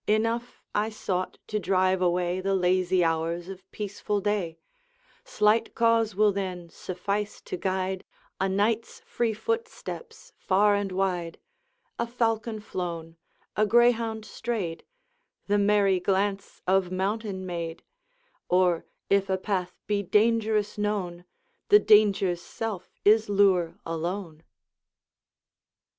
Enough, I sought to drive away The lazy hours of peaceful day; Slight cause will then suffice to guide A Knight's free footsteps far and wide, A falcon flown, a greyhound strayed, The merry glance of mountain maid; Or, if a path be dangerous known, The danger's self is lure alone.'